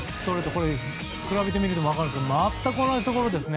これ比べてみると分かりますがまったく同じところです。